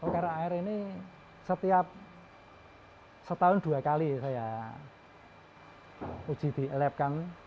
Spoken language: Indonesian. karena air ini setiap setahun dua kali saya uji di lab kan